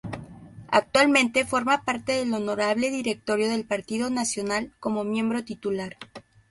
Actualmente forma parte del Honorable Directorio del Partido Nacional, como miembro titular.